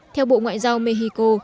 theo bộ ngoại giao mexico